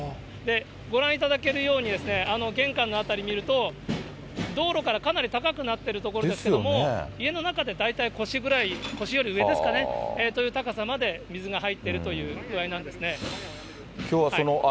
ご覧いただけるように、玄関の辺り見ると、道路からかなり高くなっている所ですけれども、家の中で大体腰ぐらい、腰より上ですかね、という高さまで水が入っているという具合なんですね。